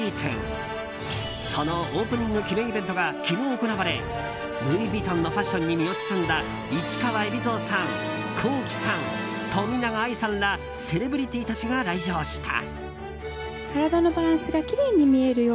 そのオープニング記念イベントが昨日、行われルイ・ヴィトンのファッションに身を包んだ市川海老蔵さんＫｏｋｉ，さん、冨永愛さんらセレブリティーたちが来場した。